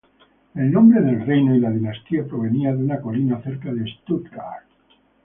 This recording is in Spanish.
El nombre del reino y la dinastía provenían de una colina cerca de Stuttgart.